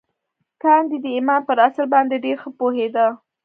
ګاندي د ایمان پر اصل باندې ډېر ښه پوهېده